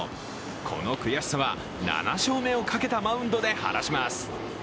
この悔しさは７勝目をかけたマウンドで晴らします。